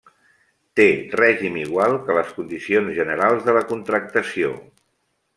Té règim igual que les Condicions Generals de la Contractació.